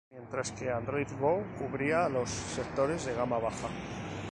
Mientras que Android Go cubriría los sectores de gama baja.